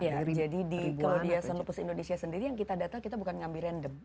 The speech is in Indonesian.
iya jadi di kemasyasan lupus indonesia sendiri yang kita data kita bukan ngambil random